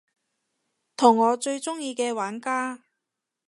同我最鍾意嘅玩家